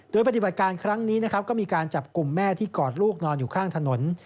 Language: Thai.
โดยปฏิบัติการครั้งนี้นะครับก็มีการจับกลุ่มแม่ที่กอดลูกนอนอยู่ข้างถนน